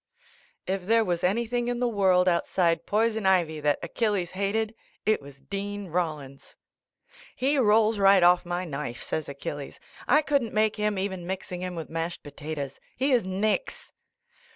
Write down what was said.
If there was anything in the world out side poison ivy that Achilles hated, it was Dean Rollins. "He rolls right off my knife," says Achilles, "I couldn't make him, even mix ing him with mashed potatoes. He is nix."